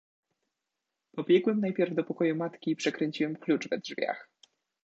"Pobiegłem najpierw do pokoju matki i przekręciłem klucz we drzwiach."